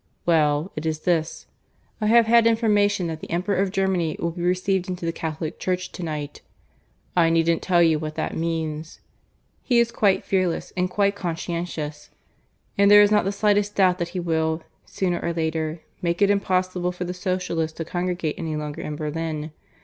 Well, it is this. I have had information that the Emperor of Germany will be received into the Catholic Church to night. I needn't tell you what that means. He is quite fearless and quite conscientious; and there is not the slightest doubt that he will, sooner or later, make it impossible for the Socialists to congregate any longer in Berlin.